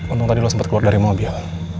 untung tadi lo sempat keluar dari mobil